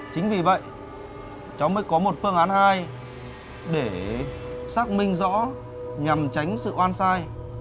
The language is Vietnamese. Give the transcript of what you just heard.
chính vì vậy cháu mới có một phương án hai để xác minh rõ nhằm tránh sự oan sai